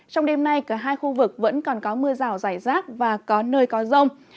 trong đêm nay cả hai khu vực vẫn còn có mưa rào rải rác và có nơi có rông